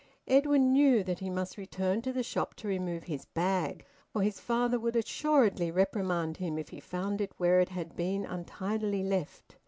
Edwin knew that he must return to the shop to remove his bag, for his father would assuredly reprimand him if he found it where it had been untidily left.